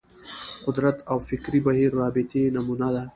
قدرت او فکري بهیر رابطې نمونه ده